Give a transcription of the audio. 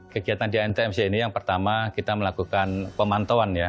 kegiatan di ntmc ini yang pertama kita melakukan pemantauan ya